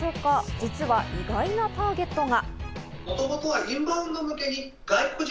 実は意外なターゲットが。